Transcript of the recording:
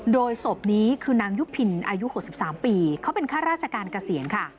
โดยศพนี้คือนางยุพินอายุ๖๓ปีเขาเป็นข้าราชการเกษียณค่ะ